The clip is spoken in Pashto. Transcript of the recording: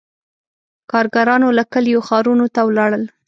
• کارګرانو له کلیو ښارونو ته ولاړل.